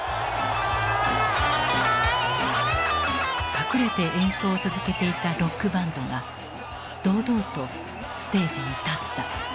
隠れて演奏を続けていたロックバンドが堂々とステージに立った。